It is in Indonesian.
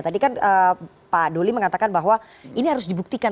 tadi kan pak doli mengatakan bahwa ini harus dibuktikan